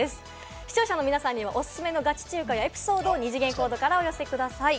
視聴者の皆さんにはおすすめのガチ中華やエピソードを二次元コードからお寄せください。